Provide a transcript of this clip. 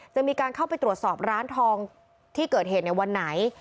จะมีการเข้าไปตรวจสอบร้านทองที่เกิดเหตุในวันไหน